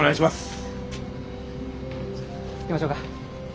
じゃあ行きましょうか。